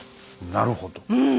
なるほど。